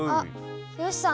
よしさん